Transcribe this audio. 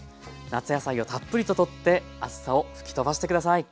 夏野菜をたっぷりと取って熱さを吹き飛ばして下さい。